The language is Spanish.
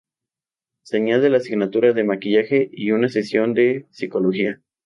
Se añade la asignatura de Maquillaje y una sesión de psicología.